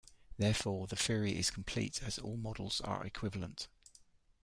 Therefore, the theory is complete as all models are equivalent.